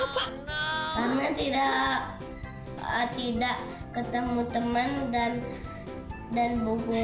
karena tidak tidak ketemu teman dan dan buku